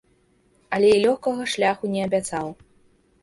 Але і лёгкага шляху не абяцаў.